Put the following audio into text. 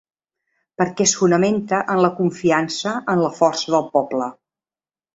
Perquè es fonamenta en la confiança en la força del poble.